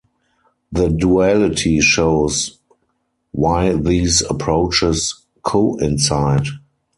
The duality shows why these approaches coincide.